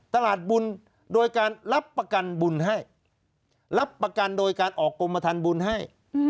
ตลาดบุญโดยการรับประกันบุญให้รับประกันโดยการออกกรมฐานบุญให้